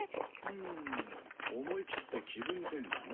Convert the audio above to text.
ん思い切って気分転換？